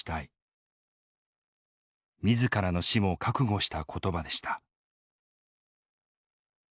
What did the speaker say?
自らの死も覚悟した言葉でした。